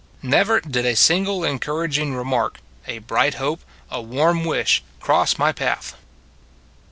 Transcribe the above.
Never did a single encouraging remark, a bright hope, a warm wish cross my path.